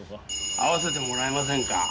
☎会わせてもらえませんか？